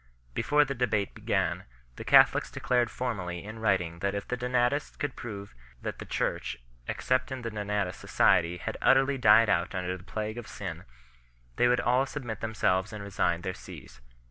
Before the debate began, the Catholics declared formally in writing that if the Donatist could prove that the Church, except in the Donatist society, had utterly died out under the plague of sin, they would all submit them selves and resign their sees.